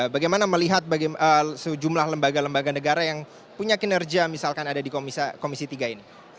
bagaimana melihat sejumlah lembaga lembaga negara yang punya kinerja misalkan ada di komisi tiga ini